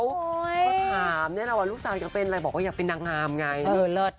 ก็ถามเนี่ยนะว่าลูกสาวอยากเป็นอะไรบอกว่าอยากเป็นนางงามไง